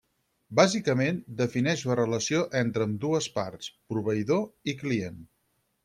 Bàsicament defineix la relació entre ambdues parts: proveïdor i client.